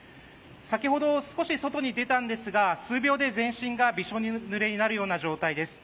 先ほど、少し外に出たんですが数秒で全身がびしょぬれになるような状態です。